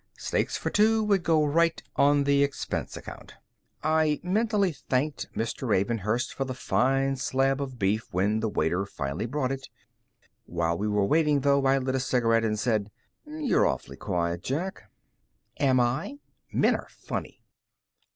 Steaks for two would go right on the expense account. I mentally thanked Mr. Ravenhurst for the fine slab of beef when the waiter finally brought it. While we were waiting, though, I lit a cigarette and said: "You're awfully quiet, Jack." "Am I? Men are funny."